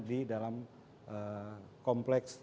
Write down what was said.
di dalam kompleks